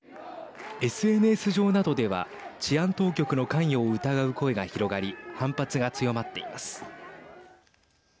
ＳＮＳ上などでは治安当局の関与を疑う声が広がり反発が強まっています。